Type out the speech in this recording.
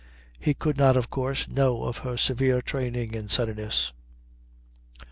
He could not of course know of her severe training in sunniness.